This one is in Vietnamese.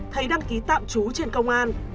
thầy đăng ký tạm trú trên công an